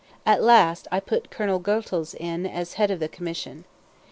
At last I put Colonel Goethals in as head of the commission.